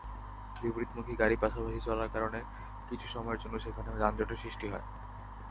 বিপরীতমুখী গাড়ি পাশাপাশি চলার কারণে কিছু সময়ের জন্য সেখানে যানজটের সৃষ্টি হয়।